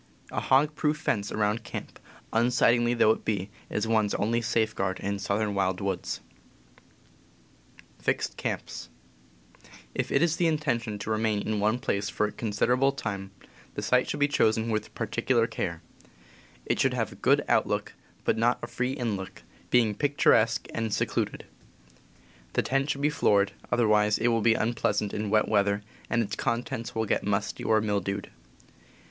A hog proof fence around camp, un sightly though it be, is one's only safeguard in southern wild woods. If it is the intention to remain in one place for a con siderable time, the site should be chosen with particu lar care. It should have a good outlook ^* but not a free inlook, being picturesque and secluded. The tent should be floored, other wise it will be unpleasant in wet weather and its contents will get musty or mildewed.